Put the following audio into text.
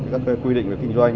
các quy định về kinh doanh